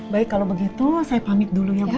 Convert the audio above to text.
baik kalau begitu saya pamit dulu ya bu